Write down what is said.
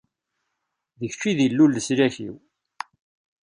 D kečč i d Illu n leslak-iw.